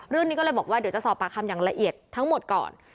เรื่องนี้ก็เลยบอกว่าเดี๋ยวจะสอบปากคำอย่างละเอียดทั้งหมดก่อน